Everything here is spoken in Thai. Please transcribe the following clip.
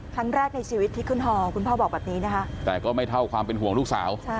ครั้งแรกในชีวิตที่ขึ้นฮอคุณพ่อบอกแบบนี้นะคะแต่ก็ไม่เท่าความเป็นห่วงลูกสาว